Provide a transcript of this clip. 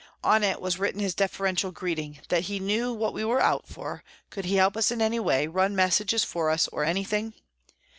On it was written his deferential greeting, that he knew what we were out for, could he help us in any way, run messages for us or any thing